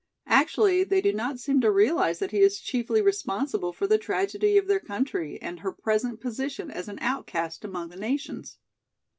Actually they do not seem to realize that he is chiefly responsible for the tragedy of their country and her present position as an outcast among the nations."